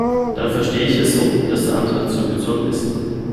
Dann verstehe ich es so, dass der Antrag zurückgezogen ist.